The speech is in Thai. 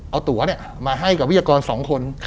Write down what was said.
เอาตัวมาให้กับวิทยากร๒คน